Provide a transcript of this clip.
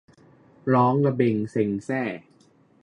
ร้องระเบ็งเซ็งแซ่